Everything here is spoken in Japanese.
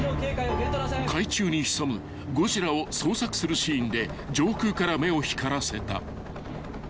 ［海中に潜むゴジラを捜索するシーンで上空から目を光らせた］